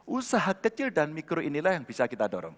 usaha kecil dan mikro inilah yang bisa kita dorong